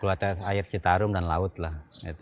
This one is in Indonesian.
cuaca air citarum dan laut lah